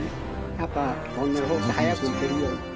やっぱトンネル掘って早く行けるように。